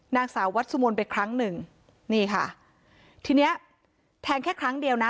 นางสาววัดสุมนต์ไปครั้งหนึ่งนี่ค่ะทีเนี้ยแทงแค่ครั้งเดียวนะ